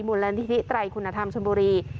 บุรณฐิษฐิไตรคุณธรรมชนบุรี